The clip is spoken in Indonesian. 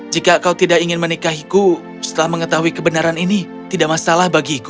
jika kau tidak ingin menikahiku setelah mengetahui kebenaran ini tidak masalah bagiku